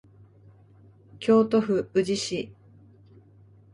京都府宇治市